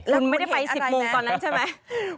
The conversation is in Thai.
คุณไม่ได้ไป๑๐โมงตอนนั้นใช่ไหม